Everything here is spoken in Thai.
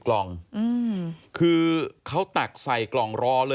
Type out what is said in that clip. ขอบคุณครับและขอบคุณครับ